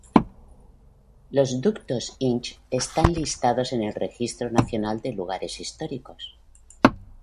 Los ductos Inch están listados en el Registro Nacional de Lugares Históricos.